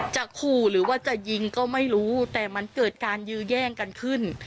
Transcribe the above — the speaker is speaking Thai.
ขู่หรือว่าจะยิงก็ไม่รู้แต่มันเกิดการยื้อแย่งกันขึ้น